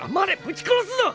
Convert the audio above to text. ぶち殺すぞ！